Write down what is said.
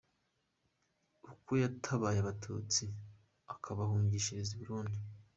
Uko yatabaye Abatutsi akabahungishiriza i Burundi